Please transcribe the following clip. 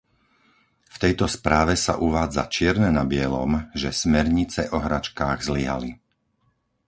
V tejto správe sa uvádza čierne na bielom, že smernice o hračkách zlyhali.